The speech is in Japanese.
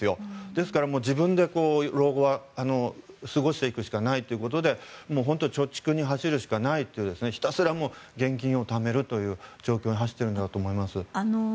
ですから、自分で老後は過ごしていくしかないということで本当に貯蓄に走るしかないというひたすら、もう現金をためるという状況に走っているんだと思います。